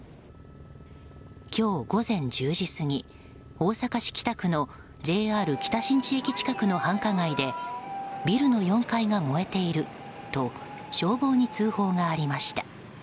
今日午前１０時過ぎ大阪市北区のＪＲ北新地駅近くの繁華街でビルの４階が燃えていると消防に通報がありました。